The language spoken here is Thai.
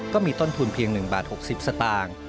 ก็มีต้นทุนเพียง๑บาท๖๐สตางค์